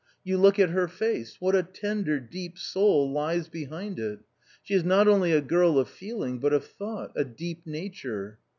You look at her face ; what a tender deep soul lies behind it. She is not only a girl of feeling, but of thought .... a deep nature."